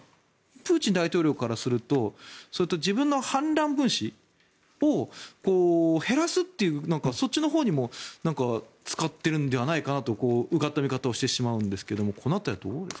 プーチン大統領からすると自分の反乱分子を減らすというそっちのほうにも使っているのではないかとうがった見方をしてしまうんですがどうでしょう。